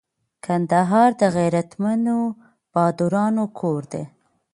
کندهار د غیرتمنو بهادرانو کور دي